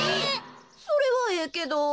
それはええけど。